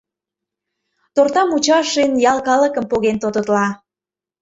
— Тортамучашин ял калыкым поген тототла.